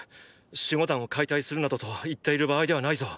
守護団を解体するなどと言っている場合ではないぞ。